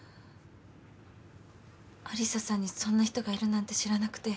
有沙さんにそんな人がいるなんて知らなくて。